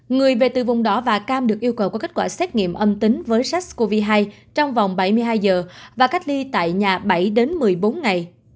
người về từ vùng đỏ và cam được yêu cầu có kết quả xét nghiệm âm tính với sars cov hai trong vòng bảy mươi hai giờ và cách ly tại nhà bảy đến một mươi bốn ngày